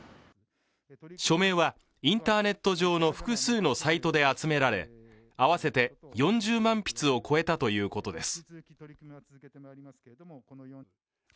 署名はインターネット上の複数のサイトで集められ合わせて４０万筆を超えたということです。